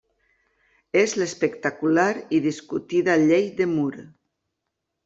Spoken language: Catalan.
És l'espectacular i discutida Llei de Moore.